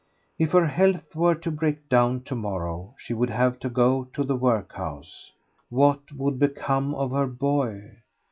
If her health were to break down to morrow she would have to go to the workhouse. What would become of her boy?